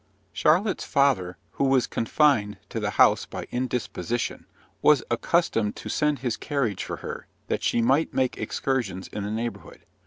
Charlotte's father, who was confined to the house by indisposition, was accustomed to send his carriage for her, that she might make excursions in the neighbourhood.